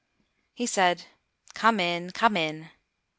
He said, "Come in, come in."